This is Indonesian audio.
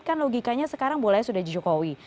kan logikanya sekarang bolanya sudah di jokowi